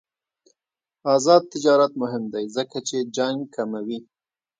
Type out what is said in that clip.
آزاد تجارت مهم دی ځکه چې جنګ کموي.